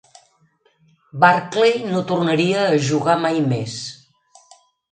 Barkley no tornaria a jugar mai més.